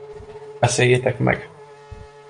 Beszéljétek meg!